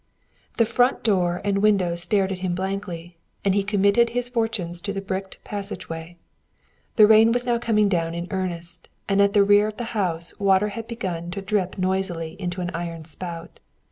The front door and windows stared at him blankly, and he committed his fortunes to the bricked passageway. The rain was now coming down in earnest, and at the rear of the house water had begun to drip noisily into an iron spout.